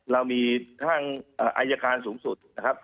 เรามีทางอายการสูงสุดนะครับ